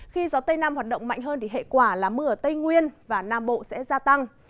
khi gió tây nam hoạt động mạnh hơn thì hệ quả là mưa ở tây nguyên và nam bộ sẽ gia tăng